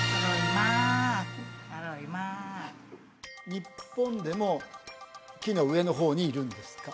日本でも木の上の方にいるんですか？